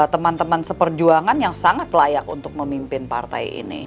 teman teman seperjuangan yang sangat layak untuk memimpin partai ini